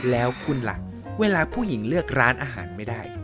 แล้วคุณหลังเวลาผู้หญิงเลือกร้านอาหารไม่ได้